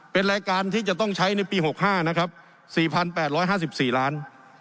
เป็นรายการที่จะต้องใช้ในปีหกห้านะครับสี่พันแปดร้อยห้าสิบสี่ล้าน